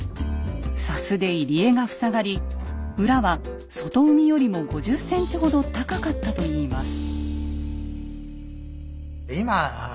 砂州で入り江が塞がり浦は外海よりも５０ｃｍほど高かったといいます。